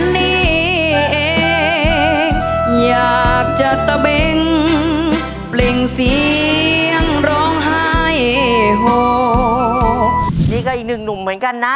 นี่ยังอีกหนึ่งหนุ่มเหมือนกันน่ะ